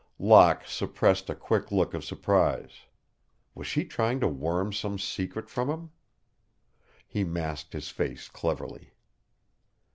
Locke suppressed a quick look of surprise. Was she trying to worm some secret from him? He masked his face cleverly.